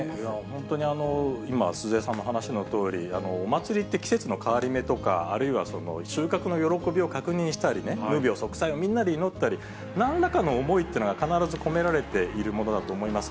本当に今、鈴江さんの話のとおり、お祭りって季節の変わり目とか、あるいは収穫の喜びを確認したりね、無病息災をみんなで祈ったり、なんらかの思いというのが必ず込められているものだと思います。